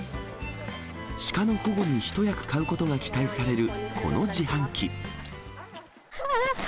鹿の保護に一役買うことが期待される、この自販機。